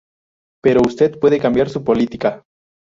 Pero usted puede cambiar su política.